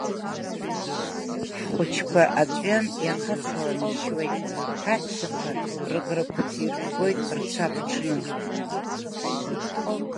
Ҳхәыҷқәа аҵәҩан иахацаланы ишьуеит, ҳаҳәсақәа рыӷрақәа ҭирбгоит, рцәа ԥҽны…